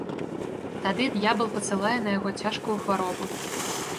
Тады д'ябал пасылае на яго цяжкую хваробу.